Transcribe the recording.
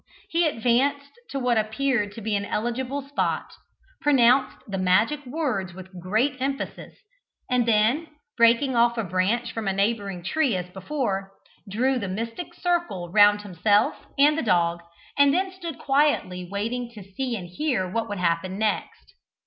He advanced to what appeared to be an eligible spot, pronounced the magic words with great emphasis, and then, breaking off a branch from a neighbouring tree as before, drew the mystic circle round himself and the dog, and then stood quietly waiting to see and hear what would happen next.